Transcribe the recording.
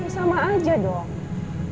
sama aja dong